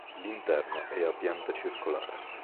L'interno è a pianta circolare.